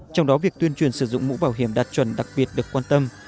trong đó việc tuyên truyền sử dụng mũ bảo hiểm đạt chuẩn đặc biệt được quan tâm